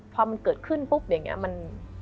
พอมันเกิดขึ้นปุ๊บอย่างนี้มัน